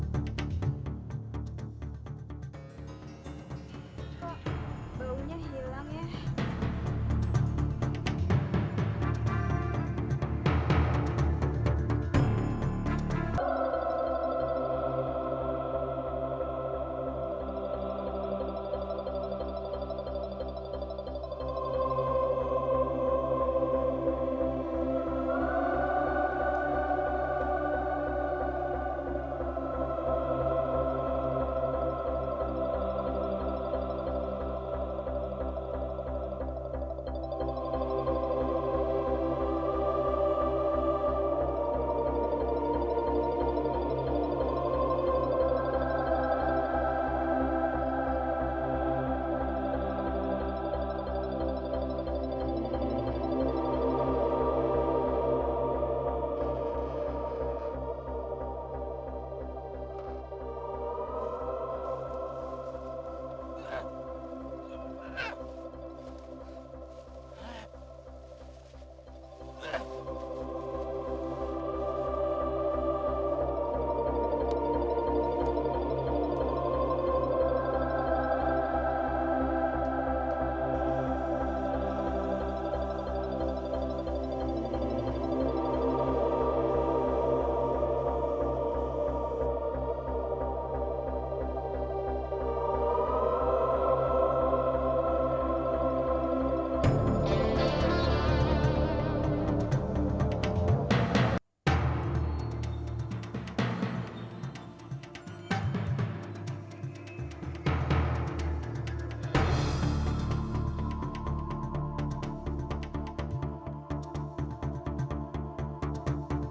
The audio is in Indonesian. kok baunya hilang ya